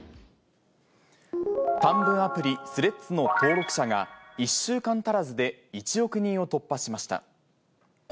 短文アプリ、スレッズの登録者が、１週間足らずで１億人を突破しました。